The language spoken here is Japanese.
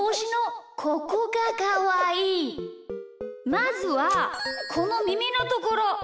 まずはこのみみのところ！